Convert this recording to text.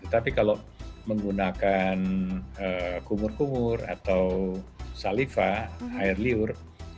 tetapi kalau menggunakan kumur kumur atau saliva air liur